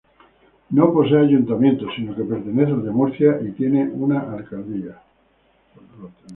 No posee ayuntamiento sino que pertenece al de Murcia y tiene una alcaldía.